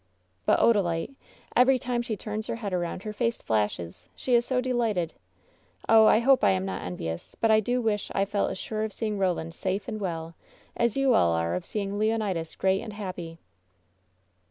But Odalite — every time she turns her head around her face flashes ! She is so delighted ! Oh I I hope I am not envious, but I do wish I felt as sure o£ seeing Roland safe and well as you all are of seeing Leonidas great and happy!